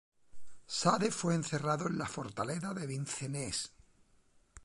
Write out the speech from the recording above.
Sade fue encerrado en la fortaleza de Vincennes.